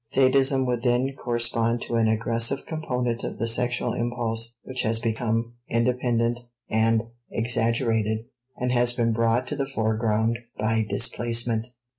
Sadism would then correspond to an aggressive component of the sexual impulse which has become independent and exaggerated and has been brought to the foreground by displacement.